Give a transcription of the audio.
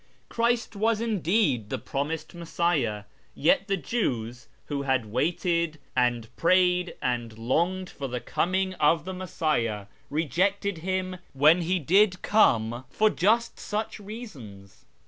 Christ was indeed the promised Messiah, yet the Jews, who had waited, and prayed, and longed for the coming of the Messiah, rejected Him when He did come for just such reasons.